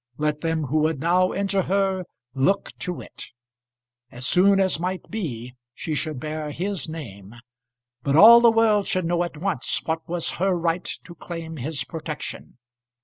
Let them who would now injure her look to it. As soon as might be she should bear his name; but all the world should know at once what was her right to claim his protection.